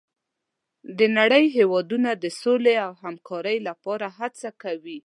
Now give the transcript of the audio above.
د نړۍ هېوادونه د سولې او همکارۍ لپاره هڅه کوي.